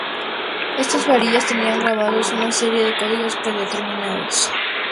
Estas varillas tenían grabados una serie de códigos predeterminados.